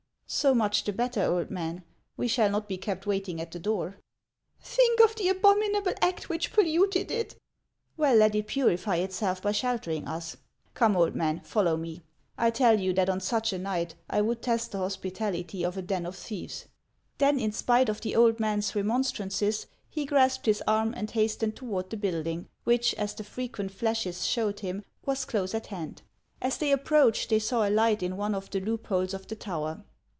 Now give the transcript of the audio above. " So much the better, old man ! We shall not be kept waiting at the door." " Think of the abominable act which polluted it !"" Well, let it purify itself by sheltering us. Come, old man, follow me. I tell you that on such a night I would test the hospitality of a den of thieves." Then, in spite of the old man's remonstrances, he grasped his arm and hastened toward the building, which, as the frequent flashes showed him, was close at hand. As they approached, they saw a light in one of the loop holes of the tower.